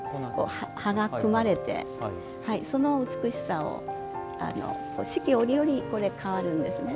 葉が組まれてその美しさを四季折々変わるんですね。